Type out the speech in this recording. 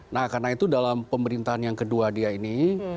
nah karena itu dalam pemerintahan yang kedua dia ini